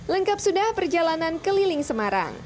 lengkap sudah perjalanan keliling semarang